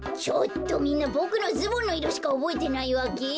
みんなボクのズボンのいろしかおぼえてないわけ！？